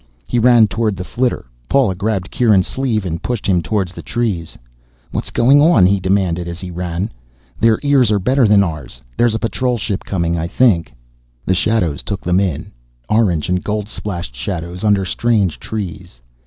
He ran toward the flitter. Paula grabbed Kieran's sleeve and pushed him toward the trees. "What's going on?" he demanded as he ran. "Their ears are better than ours. There's a patrol ship coming, I think." The shadows took them in, orange and gold splashed shadows under strange trees.